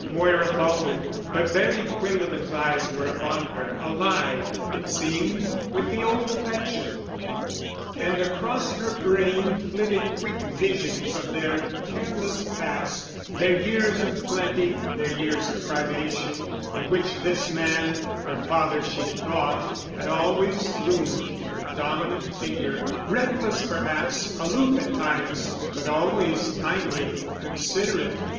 Moira faltered. But Barry Quinlevin's eyes were upon her, alive, it seemed, with the old affection. And across her brain flitted quick visions of their careless past, their years of plenty, their years of privation, in which this man, her father she had thought, had always loomed the dominant figure, reckless perhaps, aloof at times—but always kindly—considerate....